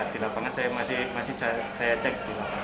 di lapangan saya masih saya cek